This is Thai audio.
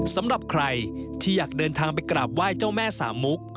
สำหรับใครที่อยากเดินทางไปกราบไหว้เจ้าแม่สามมุก